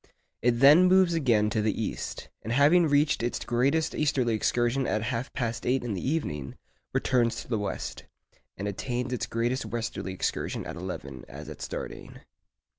It then moves again to the east, and having reached its greatest easterly excursion at half past eight in the evening, returns to the west, and attains its greatest westerly excursion at eleven, as at starting.